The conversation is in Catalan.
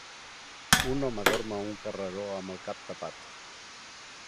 Un home dorm a un carreró amb el cap tapat.